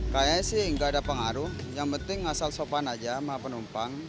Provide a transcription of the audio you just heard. kayaknya sih nggak ada pengaruh yang penting asal sopan aja sama penumpang